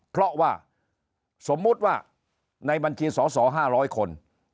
เพราะว่าสมมุติว่าในบัญชีสอสอ๕๐๐คน